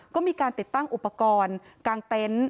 ก็มีการติดตั้งอุปกรณ์กางเต็นต์